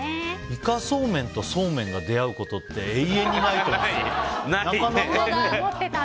イカそうめんとそうめんが出会うことって永遠にないと思ってた。